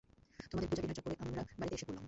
তোমাদের পূজা-টিনার চক্করে, আমরা বাড়িতে এসে পরলাম।